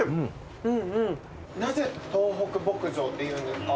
なぜ東北牧場っていうんですか？